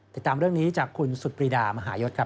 ติดตามเรื่องนี้จากคุณสุดปรีดามหายศครับ